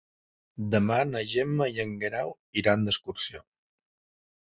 Demà na Gemma i en Guerau iran d'excursió.